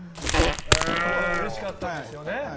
やっぱりうれしかったんですよね。